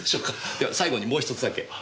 では最後にもう１つだけ。